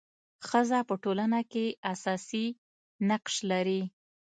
ښځه په ټولنه کي اساسي نقش لري.